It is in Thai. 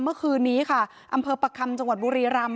เมื่อคืนนี้ค่ะอำเภอประคำจังหวัดบุรีรำ